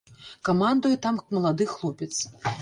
Камандуе там малады хлопец.